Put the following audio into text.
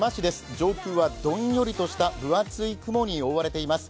上空はどんよりとした分厚い雲に覆われています。